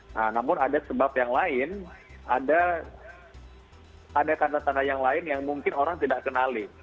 nah namun ada sebab yang lain ada tanda tanda yang lain yang mungkin orang tidak kenali